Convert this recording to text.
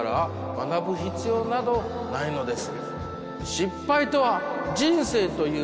「学ぶ必要などないのです」